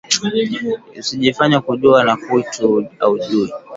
Usijifanye kujuwa na kitu auyuwi